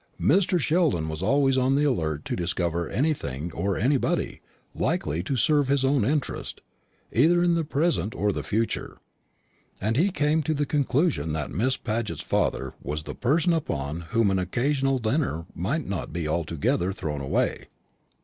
Mr. Sheldon was always on the alert to discover anything or anybody likely to serve his own interest, either in the present or the future; and he came to the conclusion that Miss Paget's father was a person upon whom an occasional dinner might not be altogether thrown away.